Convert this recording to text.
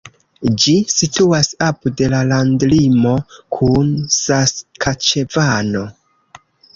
Ĝi situas apud la landlimo kun Saskaĉevano.